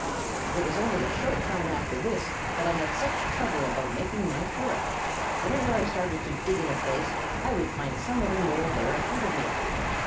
"It was only a short time after this that I had such trouble about making my fort. Whenever I started to dig in a place I would find some other Mole there ahead of me."